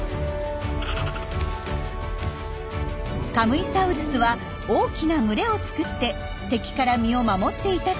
カムイサウルスは大きな群れを作って敵から身を守っていたといいます。